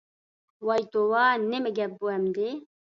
ۋاي توۋا، نېمە گەپ بۇ ئەمدى؟